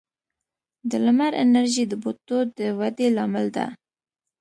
د لمر انرژي د بوټو د ودې لامل ده.